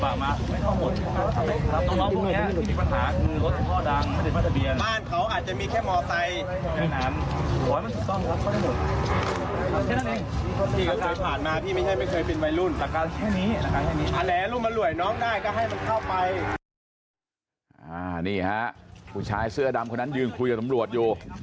นี่ฮะผู้ชายเสื้อดำคนนั้นยืนคุยกับตำรวจอยู่